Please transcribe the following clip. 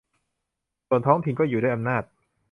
ส่วนท้องถิ่นก็อยู่ด้วยอำนาจ